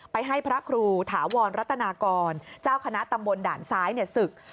ให้พระครูถาวรรัตนากรเจ้าคณะตำบลด่านซ้ายศึก